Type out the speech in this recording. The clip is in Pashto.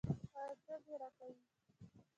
آیا څوک یې راکوي؟